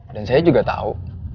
dan saya juga tahu